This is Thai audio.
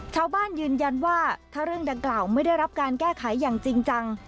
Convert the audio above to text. ชาวบ้านยืนยันว่าถ้าเรื่องดังกล่าวไม่ได้รับการแก้ไขอย่างจริงจัง